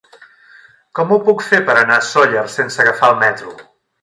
Com ho puc fer per anar a Sóller sense agafar el metro?